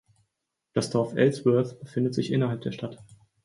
Das Dorf Ellsworth befindet sich innerhalb der Stadt.